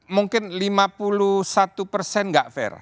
mungkin lima puluh satu enggak fair